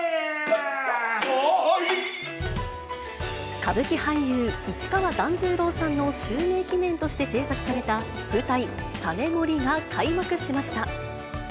歌舞伎俳優、市川團十郎さんの襲名記念として制作された舞台、サネモリが開幕しました。